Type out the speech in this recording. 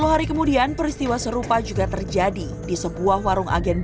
sepuluh hari kemudian peristiwa serupa juga terjadi di sebuah warung agen